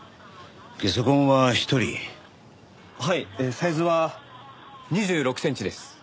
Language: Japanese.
サイズは２６センチです。